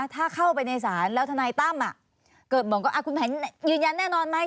ถ้าเข้าไปในศาลแล้วทนายตั้มเกิดบอกว่าคุณแผนยืนยันแน่นอนไหม